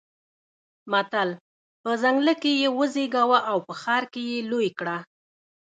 متل: په ځنګله کې يې وزېږوه او په ښار کې يې لوی کړه.